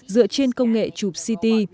dựa trên công nghệ chụp ct